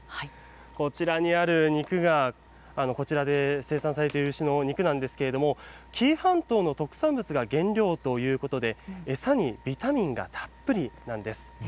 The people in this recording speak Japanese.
こちらにある肉が、こちらで生産されている牛の肉なんですけれども、紀伊半島の特産物が原料ということで、餌にビタミンがたっぷりなんです。